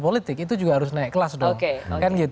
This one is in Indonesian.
politik itu juga harus naik kelas dong